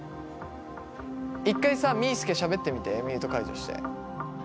一回さみーすけしゃべってみてミュート解除して。